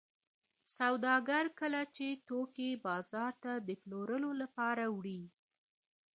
سوداګر کله چې توکي بازار ته د پلورلو لپاره وړي